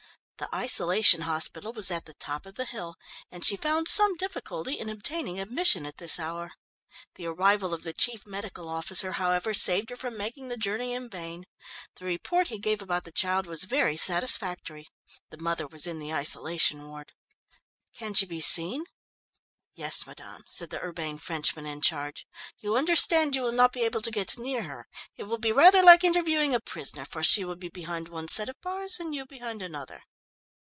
The isolation hospital was at the top of the hill and she found some difficulty in obtaining admission at this hour. The arrival of the chief medical officer, however, saved her from making the journey in vain. The report he gave about the child was very satisfactory; the mother was in the isolation ward. "Can she be seen?" "Yes, madame," said the urbane Frenchman in charge. "You understand, you will not be able to get near her? It will be rather like interviewing a prisoner, for she will be behind one set of bars and you behind another."